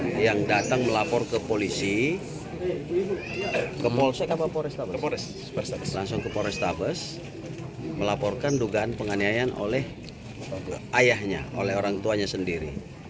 yang datang melapor ke polisi langsung ke polrestabes melaporkan dugaan penganiayaan oleh ayahnya oleh orang tuanya sendiri